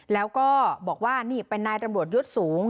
แล้วก็บอกว่านี่เป็นนายตำรวจยศสูง